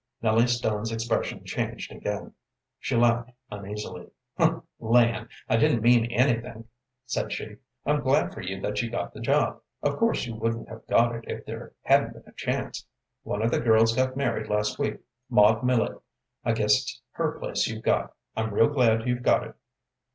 Nellie Stone's expression changed again. She laughed uneasily. "Land, I didn't mean anything," said she. "I'm glad for you that you got the job. Of course you wouldn't have got it if there hadn't been a chance. One of the girls got married last week, Maud Millet. I guess it's her place you've got. I'm real glad you've got it."